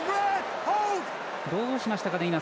どうしましたかね